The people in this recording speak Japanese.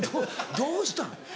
どうしたん？